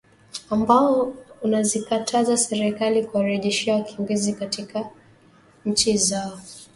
ambao unazikataza serikali kuwarejesha wakimbizi katika nchi zao